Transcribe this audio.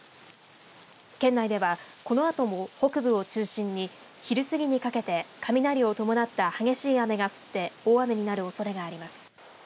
県内ではこのあとも北部を中心に昼過ぎにかけて雷を伴った激しい雨が降って大雨になるおそれがあります。